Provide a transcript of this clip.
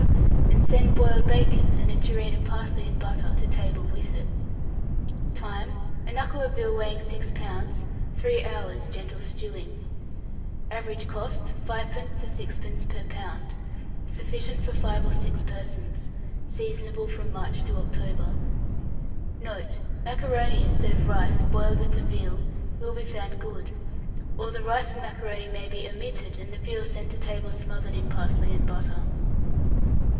and send boiled bacon, and a tureen of parsley and butter to table with it. Time. A knuckle of veal weighing 6 lbs., 3 hours' gentle stewing. Average cost, 5d. to 6d. per lb. Sufficient for 5 or 6 persons. Seasonable from March to October. Note. Macaroni, instead of rice, boiled with the veal, will be found good; or the rice and macaroni may be omitted, and the veal sent to table smothered in parsley and butter.